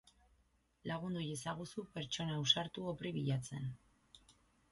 Lagundu iezaguzu pertsona ausartu hopri bilatzen!